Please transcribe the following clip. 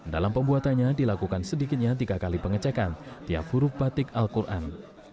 dalam pembuatannya dilakukan sedikitnya tiga kali pengecekan tiap huruf batik al quran